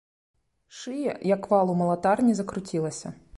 Шыя, як вал у малатарні, закруцілася.